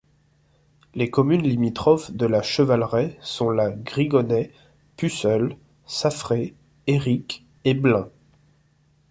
Les communes limitrophes de La Chevallerais sont La Grigonnais, Puceul, Saffré, Héric et Blain.